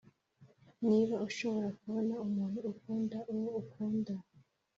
niba ushobora kubona umuntu ukunda uwo ukunda,